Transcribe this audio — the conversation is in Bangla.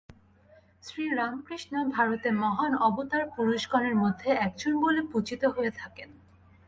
শ্রীরামকৃষ্ণ ভারতে মহান অবতারপুরুষগণের মধ্যে একজন বলে পূজিত হয়ে থাকেন।